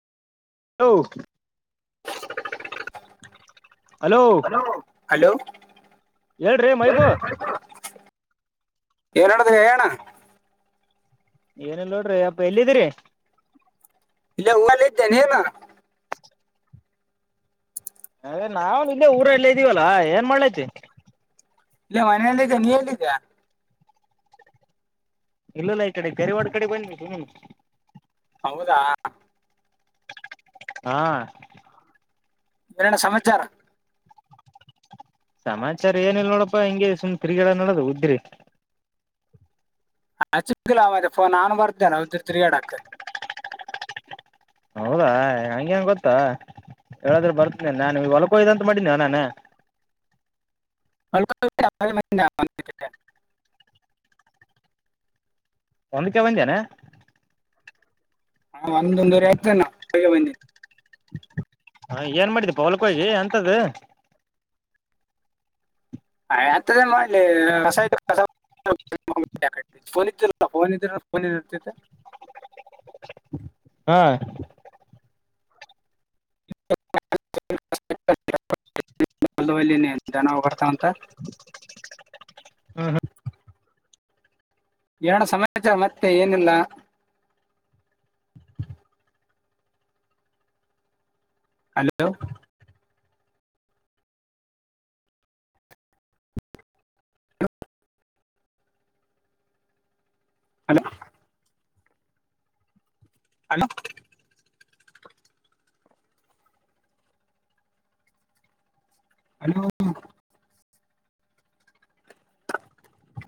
Hello. Hello hello. ಹೇಳ್ರಿ ಮಹಿಬೂ. ಏನ ಹೇಳುದ್ರೆ ಹೇಳಣ ಏನಲ್ಲ ನೋಡ್ರಿ ಅಪ್ಪ ಎಲ್ಲಿದ್ದೀರಿ? ಇಲ್ಲ ಊರಲ್ಲಿದ್ದೆ ನೀನು? ಏ ನಾವು ನಿಂದೇ ಊರಲ್ಲೇ ಇದ್ದೀವಲ್ಲಾ ಏನ್ ಮಾಡ್ಲಕತ್ತಿ? ಇಲ್ಲ ಮನೆಯಲ್ಲ ಇದ್ದೆ ನೀ ಎಲ್ಲಿದ್ಯಾ? ಇಲ್ಲಲ್ಲ ಈ ಕಡೆ ಕೆೇರೆವಾಡ ಕಡೆ ಬನ್ನಿ ಸುಮ್ನೆ. ಹೌದಾ ಹಾ ಏನಣ್ಣ ಸಮಾಚಾರ? ಸಮಾಚಾರ ಏನಿಲ್ಲ ನೋಡಪ್ಪಾ ಹಂಗೆ ಸುಮ್ ತಿರಿಗಿಡದ ನಡದು ಉದ್ದ್ರಿ ಆ ಅಚ್ಚಿಕಿಲ್ಲ ಅವಾಗೆ ಫೋನ್ ನಾನ್ ಬರ್ದನ ಒಂದ್ ಚೂರು ತಿರುಗಾಡಾಕ ಹೌದಾ ನಂಗೆ ಹೆಂಗೆ ಗೊತ್ತಾ ಹೇಳಾದ್ರೆ ಬರ್ತನನೆ ನಾನ್ ಹೊಲ್ಕೊಯ್ದ ಅಂತ ಮಾಡಿನಿ ನಾನು. [unintelligible] [unintelligible] [unintelligible] [unintelligible] ಒಂದ್ಕ ಬಂದ್ಯಾನ ಹಾ ಒಂದ್ ಒಂದೊಂವರೆ ಅವಾಗೆ ಬಂದಿ ಹ ಏನ್ ಮಾಡಿದ್ದುಪವಲ್ಕೋಗಿ ಅಂತದು ಏ ಹಂತದೇನ್ ಮಾಡ್ಲಿ ಕಸ ಐತೆ ಕಸ ಫೋನ್ ಇದ್ದಿಲ ಫೋನ್ ಇದಿದ್ರೆ ಫೋನ್ ಇರ್ತಿದ್ದೆ ಹಾ [unintelligible] [unintelligible] ಜನ ಬರ್ತಂತ [inaudible] ಏನಣ್ಣ ಸಮಾಚಾರ ಮತ್ತೆ ಏನಿಲ್ಲ ಹಲೋ ಹಲೋ ಹಲೋ ಹಲೋ